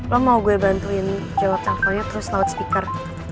lo mau gue bantuin jawab teleponnya terus laut speaker